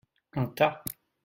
Un tas.